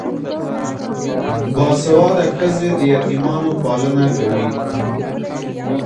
باسواده ښځې د یتیمانو پالنه کوي.